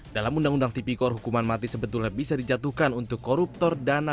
dalam undang undang tipikor hukuman mati sebetulnya bisa dijatuhkan untuk koruptor dana